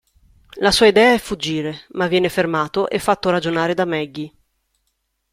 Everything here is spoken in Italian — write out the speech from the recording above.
La sua idea è fuggire, ma viene fermato e fatto ragionare da Maggie.